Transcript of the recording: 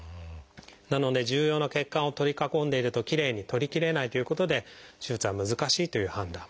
なので重要な血管を取り囲んでいるときれいに取りきれないということで手術は難しいという判断。